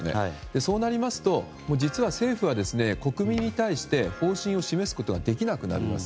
そうなりますと、実は政府は国民に対して方針を示すことはできなくなります。